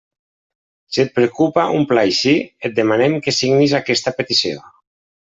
Si et preocupa un pla així, et demanem que signis aquesta petició.